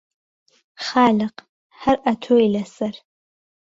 خالق هەر ئهتۆی لە سەر